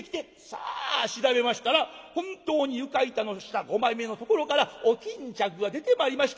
さあ調べましたら本当に床板の下５枚目のところからお巾着が出てまいりまして。